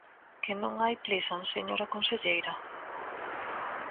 ¡Que non hai Plisan, señora conselleira!